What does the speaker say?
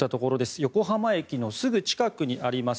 横浜駅のすぐ近くにあります